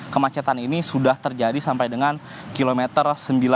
kemacetan ini sudah terjadi sampai dengan kilometer sembilan puluh